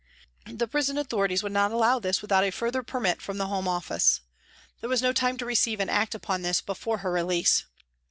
The prison authorities would not allow this without a further permit from the Home Office. There was no time to receive and act upon this before her release.